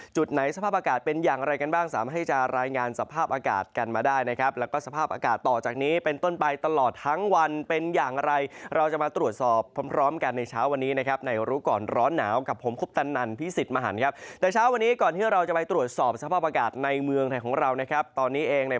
จุดไหนสภาพอากาศเป็นอย่างไรกันบ้างสามารถให้จะรายงานสภาพอากาศกันมาได้นะครับแล้วก็สภาพอากาศต่อจากนี้เป็นต้นไปตลอดทั้งวันเป็นอย่างไรเราจะมาตรวจสอบพร้อมกันในเช้าวันนี้นะครับในรู้ก่อนร้อนหนาวกับผมคุปตันนันพิสิทธิ์มหันครับแต่เช้าวันนี้ก่อนที่เราจะไปตรวจสอบสภาพอากาศในเมืองไทยของเรานะครับตอนนี้เองใน